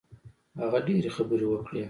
هغه ډېرې خبرې وکړې.